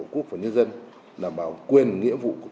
khó khăn khó khăn và hỏi lực lượng